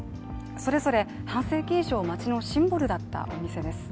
それぞれ半世紀以上街のシンボルだったお店です。